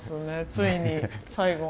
ついに最後。